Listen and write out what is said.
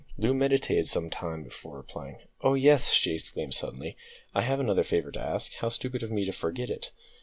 Loo meditated some time before replying. "Oh, yes," she exclaimed suddenly, "I have another favour to ask. How stupid of me to forget it.